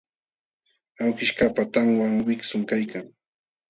Awkishkaqpa tanwan wiksum kaykan.